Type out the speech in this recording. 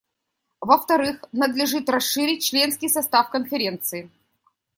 Во-вторых, надлежит расширить членский состав Конференции.